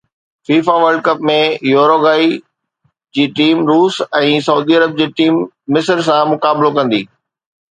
FIFA World Cup ۾ Uruguay جي team روس ۽ سعودي عرب جي ٽيم مصر سان مقابلو ڪندي